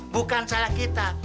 bukan salah kita